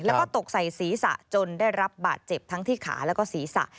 แล้วก็ตกใส่ศีรษะจนได้รับบาดเจ็บทั้งที่ขาแล้วก็ศีรษะ